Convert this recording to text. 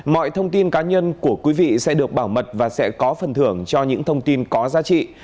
mọi thông tin cá nhân của quý vị sẽ được bảo mật và sẽ có phần thưởng cho những thông tin có giá trị